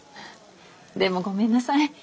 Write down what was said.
でもごめんなさい。